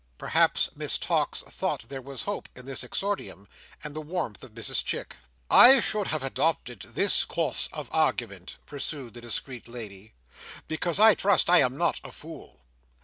Perhaps Miss Tox thought there was hope in this exordium, and the warmth of Mrs Chick. "I should have adopted this course of argument," pursued the discreet lady, "because I trust I am not a fool.